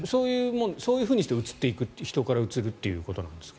そういうふうにして人からうつるということなんですか？